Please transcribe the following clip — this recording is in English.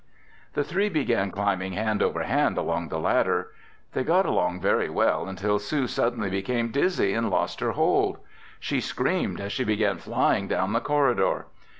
The three began climbing hand over hand along the ladder. They got along very well until Sue suddenly became dizzy and lost her hold. She screamed as she began flying down the corridor.